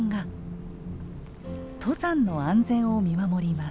登山の安全を見守ります。